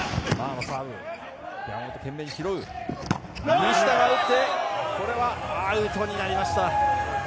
西田が打ってこれはアウトになりました。